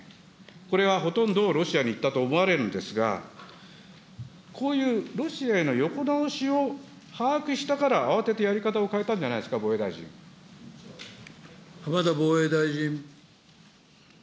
これはほとんどロシアにいったと思われるんですが、こういうロシアへの横倒しを把握したから慌ててやり方を変えたん浜田防衛大臣。